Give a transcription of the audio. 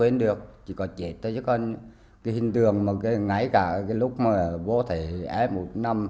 nói chung là bố thấy em một năm